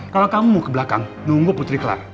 kalau kamu mau ke belakang nunggu putri kelar